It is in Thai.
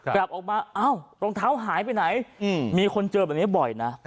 กลับออกมาเอ้ารองเท้าหายไปไหนมีคนเจอแบบนี้บ่อยนะ